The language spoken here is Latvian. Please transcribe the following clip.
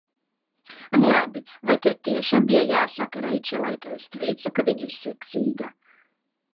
Labi, vai tev tiešām bija jāsaka Reičelai, ka es teicu, ka viņa ir seksīga?